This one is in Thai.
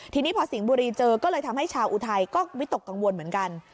ทีนี้พอสิงห์บุรีเจอก็เลยทำให้ชาวอุทัยก็วิตกกังวลเหมือนกัน